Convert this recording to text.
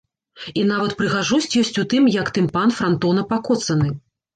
І нават прыгажосць ёсць у тым, які тымпан франтона пакоцаны!